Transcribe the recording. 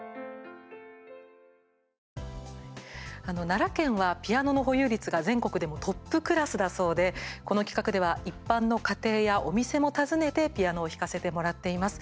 奈良県はピアノの保有率が全国でもトップクラスだそうでこの企画では、一般の家庭やお店も訪ねてピアノを弾かせてもらっています。